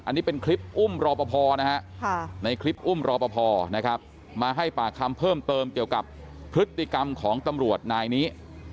อันนี้เป็นคลิปอุ้มรอปภนะฮะในคลิปอุ้มรอปภนะครับมาให้ปากคำเพิ่มเติมเกี่ยวกับพฤติกรรมของตำรวจนายนี้